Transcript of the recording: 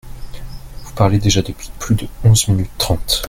Vous parlez déjà depuis plus de onze minutes trente.